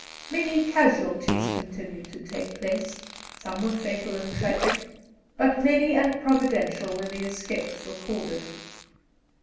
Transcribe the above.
Many casualties continued to take place; some were fatal and tragic, but many and providential were the escapes recorded.